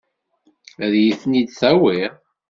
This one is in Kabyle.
Ad iyi-ten-id-tawiḍ?